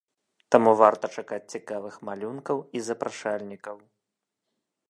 Таму варта чакаць цікавых малюнкаў і запрашальнікаў.